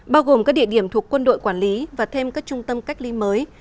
bao gồm các địa điểm thuộc quân đội quản lý và thêm các trung tâm cách ly mới